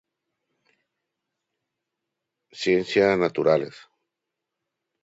Ciencias naturales